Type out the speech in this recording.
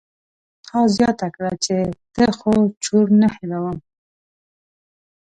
تا زياته کړه چې ته خو چور نه هېروم.